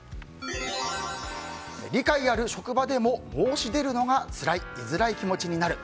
理解ある職場でも申し出るのがつらい居づらい気持ちになる。